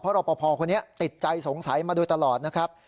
รอปภคนนี้ติดใจสงสัยมาโดยตลอดนะครับ